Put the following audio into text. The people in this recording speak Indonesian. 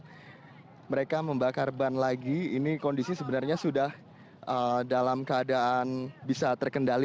karena mereka membakar ban lagi ini kondisi sebenarnya sudah dalam keadaan bisa terkendali